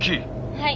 はい。